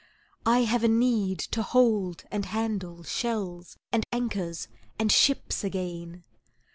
I have a need to hold and handle Shells and anchors and ships again!